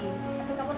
terus setelah wahosa